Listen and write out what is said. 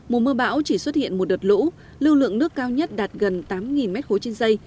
mùa mưa bão chỉ xuất hiện một đợt lũ lưu lượng nước cao nhất đạt gần tám m ba trên dây